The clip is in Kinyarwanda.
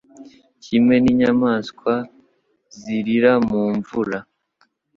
Kimwe n'inyamaswa zirira mu mvura